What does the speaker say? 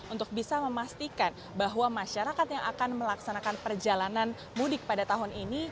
untuk bisa memastikan bahwa masyarakat yang akan melaksanakan perjalanan mudik pada tahun ini